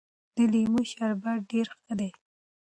د لیمو شربت ډېر ښه دی.